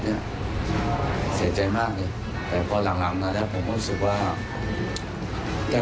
เนี่ยเสียใจมากเลยแต่พอหลังนานแล้วผมก็รู้สึกว่าถ้า